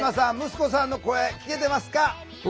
息子さんの声聴けてますか？